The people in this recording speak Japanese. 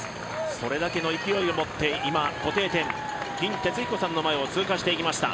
それだけの勢いを持って今、固定点、金哲彦さんの前を通過していきます。